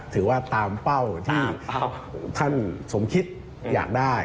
ถือว่าตามเป้าที่ท่านสมคิดอยากได้